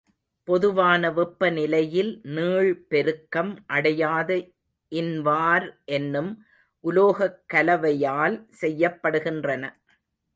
பொதுவான வெப்பநிலையில் நீள் பெருக்கம் அடையாத இன்வார் என்னும் உலோகக் கலவையால் செய்யப்படுகின்றன.